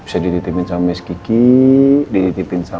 sebentar lagi ya